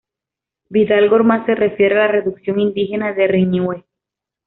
Vidal Gormaz se refiere a la reducción indígena de Riñihue.